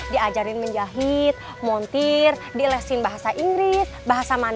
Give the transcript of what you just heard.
diajarin menjahit montir dielesin bahasa inggris bahasa inggris